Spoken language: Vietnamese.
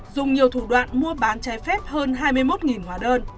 dùng nhiều thủ đoạn mua bán trái phép hơn hai mươi một hóa đơn